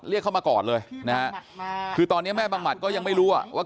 เรียกเข้ามาก่อนเลยนะฮะคือตอนนี้แม่บังหมัดก็ยังไม่รู้อ่ะว่า